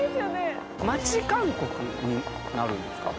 町韓国になるんですか？